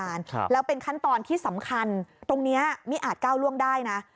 ครับแล้วเป็นขั้นตอนที่สำคัญตรงเนี้ยไม่อาจก้าวล่วงได้นะ